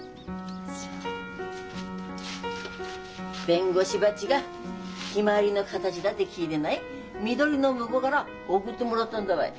弁護士バッジがひまわりの形だって聞いてないみどりの婿から送ってもらったんだわい。